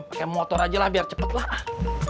pake motor aja lah biar cepet lah